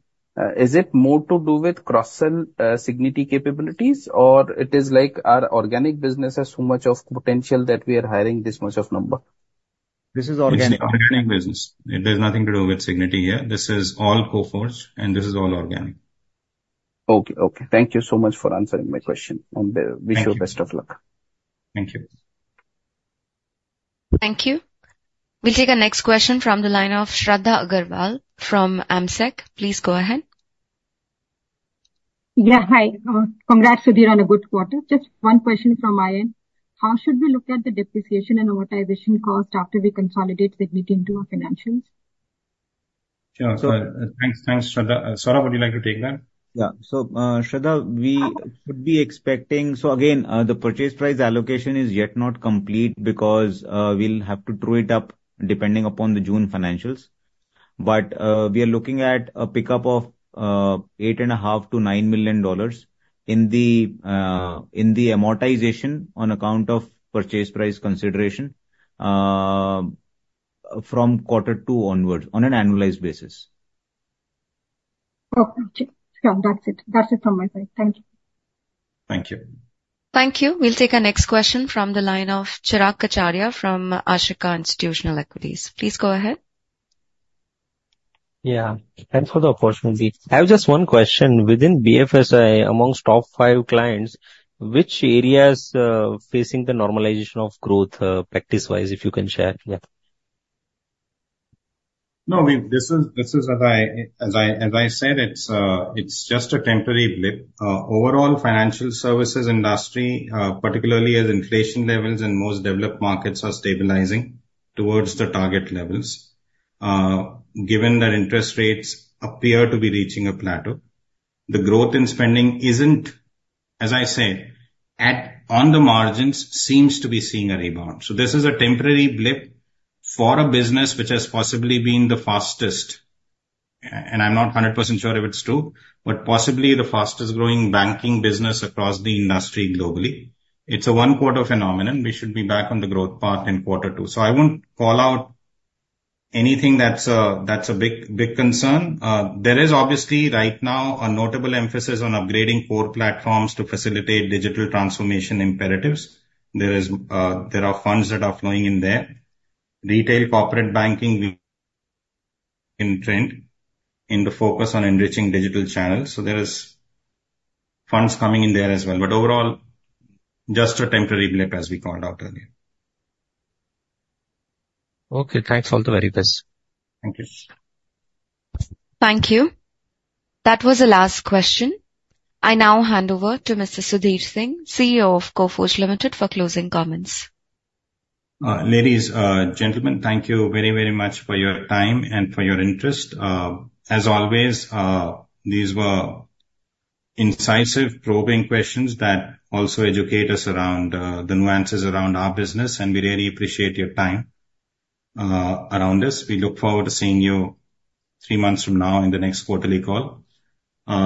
Is it more to do with cross-sell, Cigniti capabilities or it is like our organic business has so much of potential that we are hiring this much of number? This is organic. It's organic business. It has nothing to do with Cigniti here. This is all Coforge, and this is all organic. Okay, okay. Thank you so much for answering my question, and wish you best of luck. Thank you. Thank you. We'll take our next question from the line of Shradha Agrawal from Amsec. Please go ahead. Yeah, hi. Congrats, Sudhir, on a good quarter. Just one question from my end. How should we look at the depreciation and amortization cost after we consolidate Cigniti into our financials? Sure. Thanks, thanks, Shradha. Saurabh, would you like to take that? Yeah. Shradha, we should be expecting-- Again, the purchase price allocation is yet not complete because, we'll have to true it up depending upon the June financials. But, we are looking at a pickup of $8.5 million-$9 million in the amortization on account of purchase price consideration, from quarter two onwards on an annualized basis. Okay. Sure. That's it. That's it from my side. Thank you. Thank you. Thank you. We'll take our next question from the line of Chirag Kachhadiya from Ashika Institutional Equities. Please go ahead. Yeah, thanks for the opportunity. I have just one question. Within BFSI, among top five clients, which areas, facing the normalization of growth, practice-wise, if you can share? Yeah. No, we—this is, as I said, it's just a temporary blip. Overall financial services industry, particularly as inflation levels in most developed markets are stabilizing towards the target levels, given that interest rates appear to be reaching a plateau, the growth in spending isn't, as I said, on the margins, seems to be seeing a rebound. This is a temporary blip for a business which has possibly been the fastest, and I'm not 100% sure if it's true, but possibly the fastest growing banking business across the industry globally. It's a one-quarter phenomenon. We should be back on the growth path in quarter two. I won't call out anything that's a big, big concern. There is obviously right now a notable emphasis on upgrading core platforms to facilitate digital transformation imperatives. There is, there are funds that are flowing in there. Retail corporate banking in trend, in the focus on enriching digital channels, so there is funds coming in there as well. But overall, just a temporary blip, as we called out earlier. Okay, thanks. All the very best. Thank you. Thank you. That was the last question. I now hand over to Mr. Sudhir Singh, CEO of Coforge Limited, for closing comments. Ladies, gentlemen, thank you very, very much for your time and for your interest. As always, these were incisive, probing questions that also educate us around the nuances around our business, and we really appreciate your time around this. We look forward to seeing you three months from now in the next quarterly call.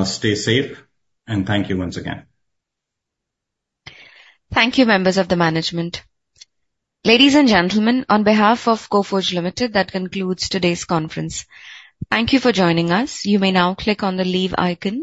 Stay safe, and thank you once again. Thank you, members of the management. Ladies and gentlemen, on behalf of Coforge Limited, that concludes today's conference. Thank you for joining us. You may now click on the leave icon.